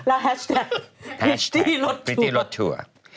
แล้วแฮชแท็กพริตตี้รถทัวร์